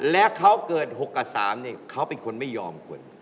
แล้วเขาเกิด๖กับ๓เขาเป็นคนไม่ยอมคน